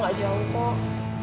gak jauh kok